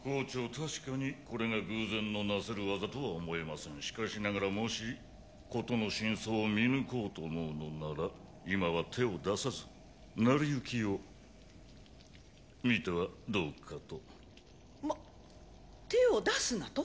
確かにこれが偶然のなせるわざとは思えませんしかしながらもし事の真相を見抜こうと思うのなら今は手を出さずなりゆきを見てはどうかとまあ手を出すなと？